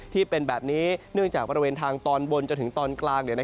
ที่เป็นแบบนี้เนื่องจากบริเวณทางตอนบนจนถึงตอนกลาง